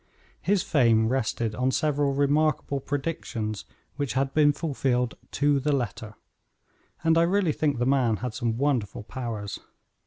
His fame rested on several remarkable predictions which had been fulfilled to the letter, and I really think the man had some wonderful powers.